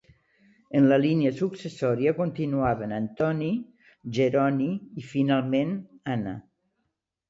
En la línia successòria, continuaven Antoni, Jeroni i finalment, Anna.